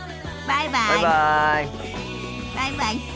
バイバイ。